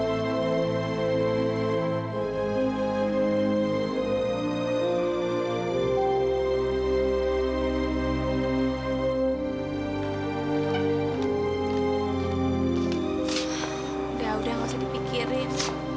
udah udah gak usah dipikirin